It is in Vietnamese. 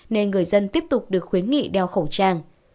nên người dân tiếp tục được khuyến nghị đeo khẩu trang